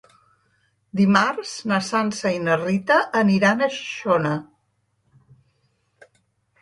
Dimarts na Sança i na Rita aniran a Xixona.